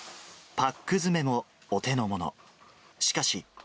パック詰めもお手のもの。